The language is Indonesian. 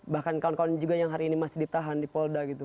bahkan kawan kawan juga yang hari ini masih ditahan di polda gitu